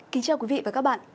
kính chào quý vị và các bạn